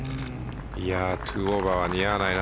２オーバーは似合わないな。